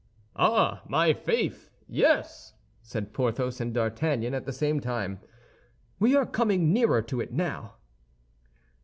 "Ah, my faith, yes!" said Porthos and D'Artagnan, at the same time; "we are coming nearer to it now."